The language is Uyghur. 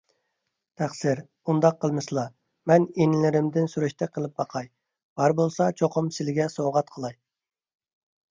تەقسىر، ئۇنداق قىلمىسىلا! مەن ئىنىلىرىمدىن سۈرۈشتە قىلىپ باقاي، بار بولسا چوقۇم سىلىگە سوۋغات قىلاي